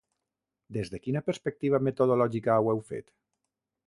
Des de quina perspectiva metodològica ho heu fet?